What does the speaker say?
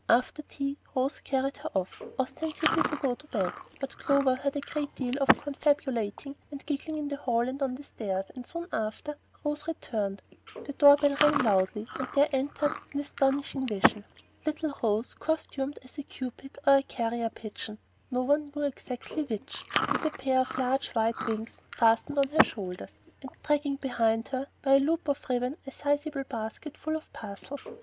After tea Rose carried her off, ostensibly to go to bed, but Clover heard a great deal of confabulating and giggling in the hall and on the stairs, and soon after, Rose returned, the door bell rang loudly, and there entered an astonishing vision, little Rose, costumed as a Cupid or a carrier pigeon, no one knew exactly which, with a pair of large white wings fastened on her shoulders, and dragging behind her by a loop of ribbon a sizeable basket quite full of parcels.